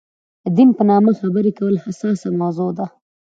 دین په نامه خبرې کول حساسه موضوع ده.